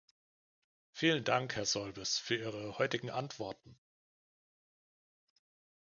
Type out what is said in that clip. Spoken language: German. Vielen Dank, Herr Solbes, für Ihre heutigen Antworten.